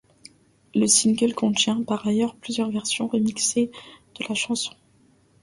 Le single contient par ailleurs plusieurs versions remixées de la chanson.